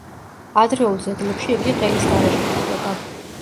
ადრეულ ძეგლებში იგი ყელის გარეშე გვხვდება.